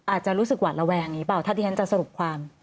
อาจจะรู้สึกหวาดระแวงนี้เปล่าถ้าที่ฉันจะสรุปความ